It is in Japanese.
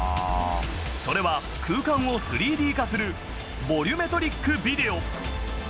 それは、空間を３Ｄ化する、ボリュメトリックビデオ。